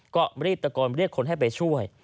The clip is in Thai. ก็รีบตะโกนเรียกคนให้ไปช่วย